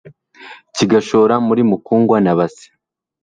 Kigashora muri Mukungwa na Base